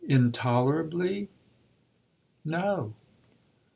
"Intolerably no."